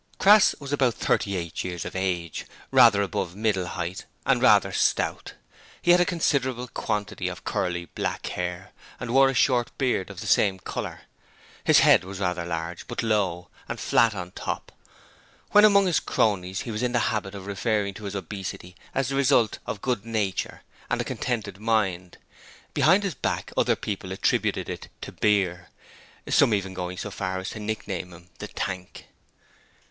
Crass was about thirty eight years of age, rather above middle height and rather stout. He had a considerable quantity of curly black hair and wore a short beard of the same colour. His head was rather large, but low, and flat on top. When among his cronies he was in the habit of referring to his obesity as the result of good nature and a contented mind. Behind his back other people attributed it to beer, some even going to far as to nickname him the 'tank'.